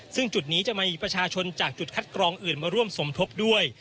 ซึ่งจุดนี้จะมีประชาชนจากจุดคัดกรองอื่นมาร่วมสมทบด้วย